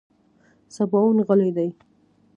سباوون غلی دی .